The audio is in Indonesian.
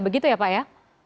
begitu ya pak ya